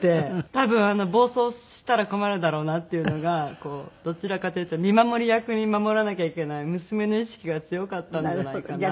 多分暴走したら困るだろうなっていうのがどちらかというと見守り役に守らなきゃいけない娘の意識が強かったんじゃないかなって。